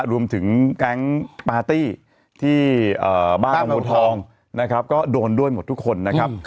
รวมถึงแก๊งปาร์ตี้ที่บ้านบัวทองนะครับก็โดนด้วยหมดทุกคนนะครับ